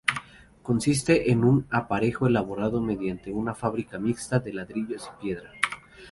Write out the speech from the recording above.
Consiste en un aparejo elaborado mediante una fábrica mixta de ladrillos y piedra.